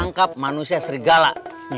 menangkap manusia serigala